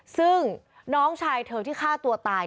ซึ่งน้องชายเธอที่ฆ่าตัวตาย